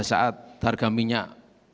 saat harga minyak